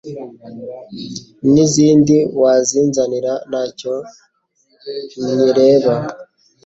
n'izindi wazinzanira ntacyo nkereba